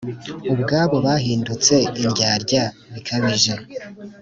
ubwabo bahindutse indyarya bikabije!